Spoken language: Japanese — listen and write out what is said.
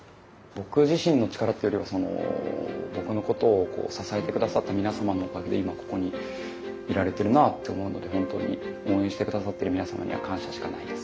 「僕自身の力っていうよりはその僕のことを支えてくださった皆様のおかげで今ここにいられてるなって思うので本当に応援してくださってる皆様には感謝しかないです。